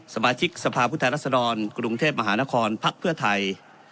สมาชิกสภาพฤทธานรัศนรกรุงเทพมหานครภักดิ์เพื่อไทย